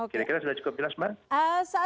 kira kira sudah cukup jelas mbak